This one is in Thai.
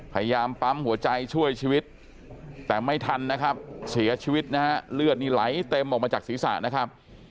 พยายามปั๊มหัวใจช่วยชีวิตแต่ไม่ทันนะครับเสียชีวิตนะฮะเลือดนี่ไหลเต็มออกมาจากศีรษะนะครับ